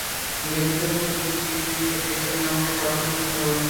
দেবদূতের মতো দুটি মেয়েকে দেখছেন আমাকে পাগলের মতো ভালবেসেছে।